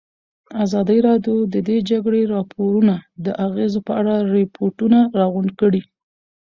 ازادي راډیو د د جګړې راپورونه د اغېزو په اړه ریپوټونه راغونډ کړي.